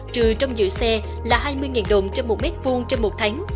trừ trong giữa xe là hai mươi đồng trong một m hai trong một tháng